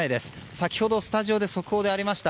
先ほどスタジオで速報でありました